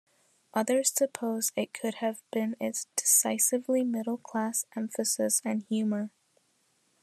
Others suppose it could have been its decisively middle-class emphasis and humor.